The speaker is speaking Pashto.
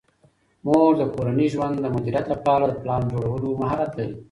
مور د کورني ژوند د مدیریت لپاره د پلان جوړولو مهارت لري.